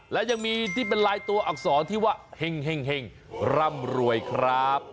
และยังมีรายตัวอักษรที่ห้องแห่งแห่งร่ำรวยครับ